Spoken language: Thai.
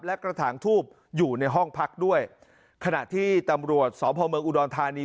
และกระถางทูบอยู่ในห้องพักด้วยขณะที่ตำรวจสพเมืองอุดรธานี